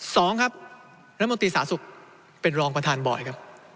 สองครับรัฐมนตรีสาธารณสุขเป็นรองประธานบอยครับ